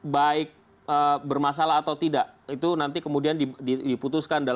baik pell untung kita juga hao